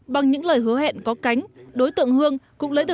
bằng những lời hứa hẹn có cánh đối tượng hương cũng lấy được những lời hứa hẹn